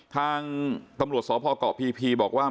ทางตำรวจสพเกาะพีบอกว่า